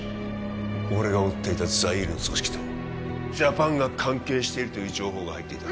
俺が追っていたザイールの組織とＪＡＰＡＮが関係しているという情報が入っていた